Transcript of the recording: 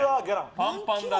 パンパンだね。